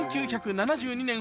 １９７２年